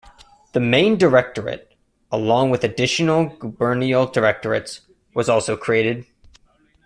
The Main Directorate, along with additional Gubernial Directorates, was also created.